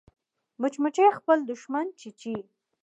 مچمچۍ خپل دښمن چیچي